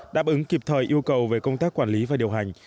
đáp ứng kịp thời yêu cầu về công tác quản lý và điều hành